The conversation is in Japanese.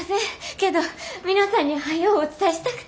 けど皆さんにはよお伝えしたくて。